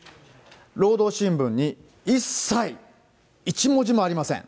労働新聞に一切、一文字もありません。